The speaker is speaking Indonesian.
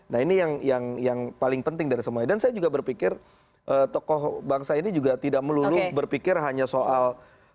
nah ini yang paling penting dari semuanya dan saya juga berpikir tokoh bangsa ini juga tidak melulu berpikir hanya soal